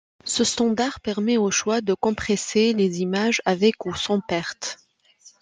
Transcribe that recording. Ce standard permet au choix de compresser les images avec ou sans perte.